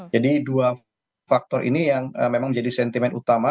jadi dua faktor ini yang memang menjadi sentimen utama